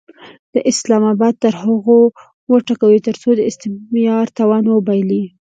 اسلام اباد تر هغو وټکوئ ترڅو د استثمار توان وبایلي.